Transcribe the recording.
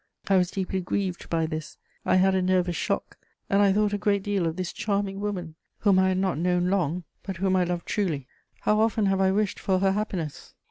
I was deeply grieved by this; I had a nervous shock, and I thought a great deal of this charming woman, whom I had not known long, but whom I loved truly. How often have I wished for her happiness!